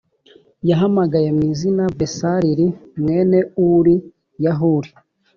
yahamagaye mu izina besal li mwene uri ya huri